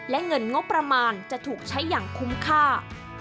และเงินงบประมาณจะถูกใช้อย่างคุ้มค่า